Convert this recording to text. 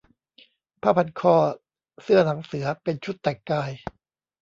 ผ้าพันคอ เสื้อหนังเสือ เป็นชุดแต่งกาย